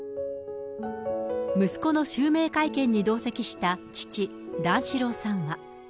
息子の襲名会見に同席した父、段四郎さんは。